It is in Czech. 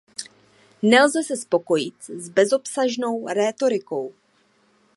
Nelze se spokojit s bezobsažnou rétorikou.